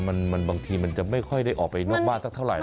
บางทีมันจะไม่ค่อยได้ออกไปนอกบ้านสักเท่าไหร่